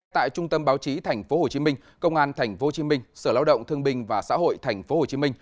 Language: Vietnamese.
tại trung tâm báo chí tp hcm công an tp hcm sở lao động thương bình và xã hội tp hcm